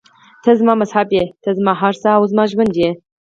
ته زما مذهب یې، ته زما هر څه او زما ژوند یې.